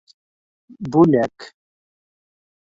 Бүләк!